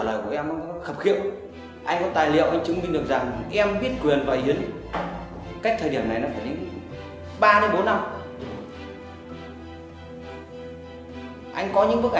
đình điểm phải giết vợ